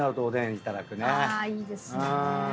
あいいですね。